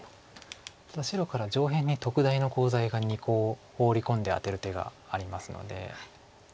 ただ白から上辺に特大のコウ材が２コウホウリ込んでアテる手がありますので。